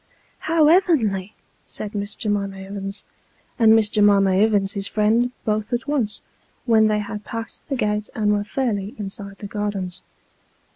" How ev'nly !" said Miss J'mima Ivins, and Miss J'mima Ivins's friend, both at once, when they had passed the gate and were fairly inside the gardens.